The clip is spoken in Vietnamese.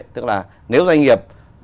tức là nếu doanh nghiệp